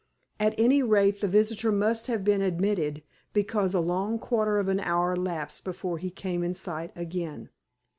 At any rate the visitor must have been admitted, because a long quarter of an hour elapsed before he came in sight again.